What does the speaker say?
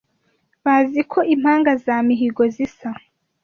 Bazi ko impangazamihigo zisa